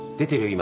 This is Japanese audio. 今。